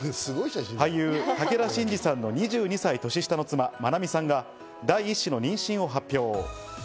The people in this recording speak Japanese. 俳優・武田真治さんの２２歳年下の妻・まなみさんが第一子の妊娠を発表。